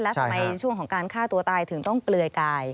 แล้วทำไมช่วงของการฆ่าตัวตายถึงต้องเปลือยกาย